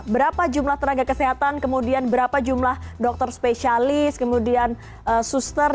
berapa jumlah tenaga kesehatan kemudian berapa jumlah dokter spesialis kemudian suster